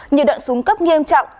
nhiều đoạn súng cấp nghiêm trọng